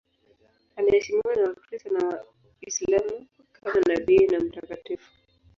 Anaheshimiwa na Wakristo na Waislamu kama nabii na mtakatifu.